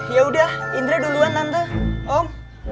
ya udah indri duluan tante om